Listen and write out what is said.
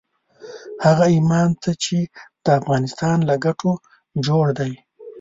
هغه ايمان ته چې د افغانستان له ګټو جوړ دی.